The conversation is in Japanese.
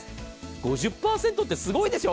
５０％ってすごいでしょ？